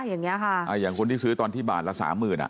อย่างนี้ค่ะอย่างคนที่ซื้อตอนที่บาทละสามหมื่นอ่ะ